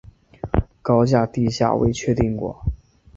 高架地下未确定过。